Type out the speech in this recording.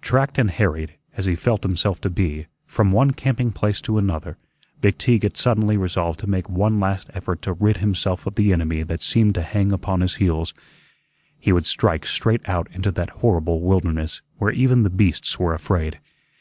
Tracked and harried, as he felt himself to be, from one camping place to another, McTeague had suddenly resolved to make one last effort to rid himself of the enemy that seemed to hang upon his heels. He would strike straight out into that horrible wilderness where even the beasts were afraid.